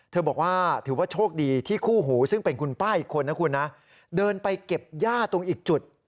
บอกว่าถือว่าโชคดีที่คู่หูซึ่งเป็นคุณป้าอีกคนนะคุณนะเดินไปเก็บย่าตรงอีกจุด